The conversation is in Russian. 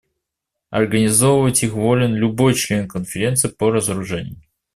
Организовывать их волен любой член Конференции по разоружению.